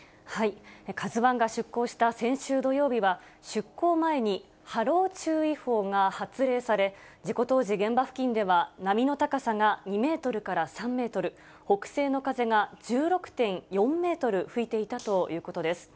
カズワンが出航した先週土曜日は、出航前に波浪注意報が発令され、事故当時、現場付近では波の高さが２メートルから３メートル、北西の風が１６．４メートル吹いていたということです。